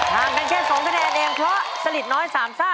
ห่างกันแค่๒คะแนนเองเพราะสลิดน้อย๓ซ่า